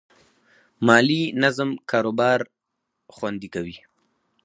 مالي نظم کاروبار خوندي کوي.